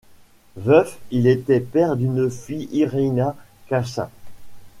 Veuf, il était père d'une fille, Irina Kashin.